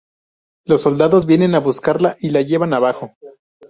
Los soldados vienen a buscarla y la llevan abajo.